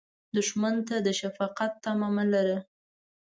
دښمن ته د شفقت تمه مه لره